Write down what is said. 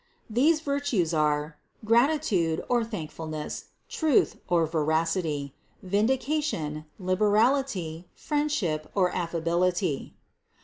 These virtues are : gratitude or thankfulness, truth or veracity, vindication, liberality, friendship or affability.